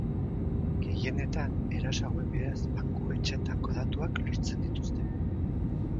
Gehienetan eraso hauen bidez bankuetxetako datuak lortzen dituzte.